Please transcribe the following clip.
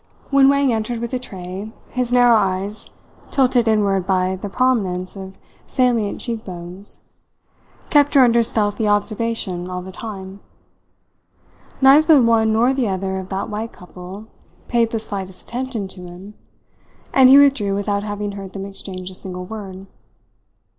When Wang entered with a tray, his narrow eyes, tilted inward by the prominence of salient cheek bones, kept her under stealthy observation all the time. Neither the one nor the other of that white couple paid the slightest attention to him and he withdrew without having heard them exchange a single word.